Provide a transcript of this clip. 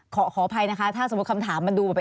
ขออภัยนะคะถ้าสมมุติคำถามมันดูไป